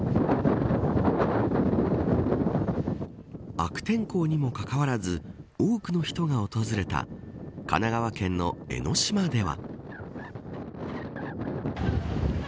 悪天候にもかかわらず多くの人が訪れた神奈川県の江の島では。